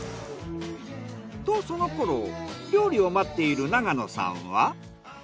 とそのころ料理を待っている永野さんは。